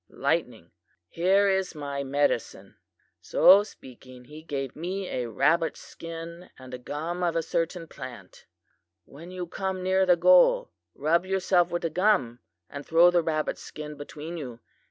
(lightning). Here is my medicine.' So speaking, he gave me a rabbit skin and the gum of a certain plant. 'When you come near the goal, rub yourself with the gum, and throw the rabbit skin between you.